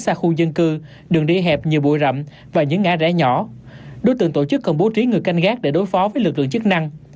xa khu dân cư đường đi hẹp nhiều bụi rậm và những ngã rẽ nhỏ đối tượng tổ chức cần bố trí người canh gác để đối phó với lực lượng chức năng